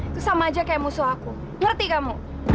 itu sama aja kayak musuh aku ngerti kamu